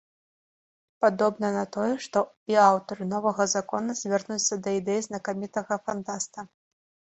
Падобна на тое, што і аўтары новага закону звернуцца да ідэй знакамітага фантаста.